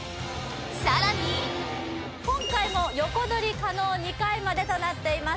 さらに今回も横取り可能２回までとなっています